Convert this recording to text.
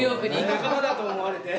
仲間だと思われて。